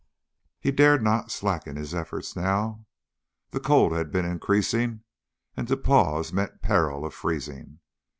He dared not slacken his efforts now. The cold had been increasing, and to pause meant peril of freezing.